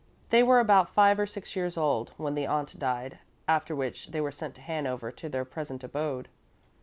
They were about five or six years old when the aunt died, after which they were sent to Hanover to their present abode.